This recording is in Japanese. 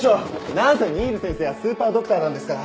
何せ新琉先生はスーパードクターなんですから。